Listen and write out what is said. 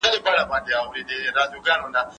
زه پرون بوټونه پاکوم.